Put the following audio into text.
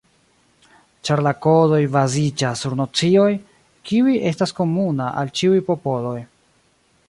Ĉar la kodoj baziĝas sur nocioj, kiuj estas komuna al ĉiuj popoloj.